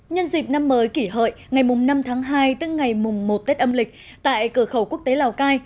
nhân dịp năm mới kỷ hợi ngày năm tháng hai tức ngày một tết âm lịch tại cửa khẩu quốc tế lào cai